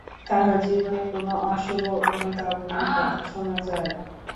তাঁহার জীবনে কোন অশুভ-অনুধ্যানের কথা শুনা যায় না।